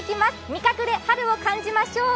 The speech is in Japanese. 味覚で春を感じましょう。